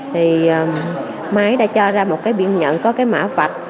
thì máy đã cho ra một cái biên nhận có cái mã vạch